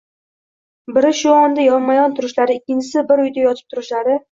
biri shu onda yonmayon turishlari, ikkinchisi bir uyda yotib turishlari.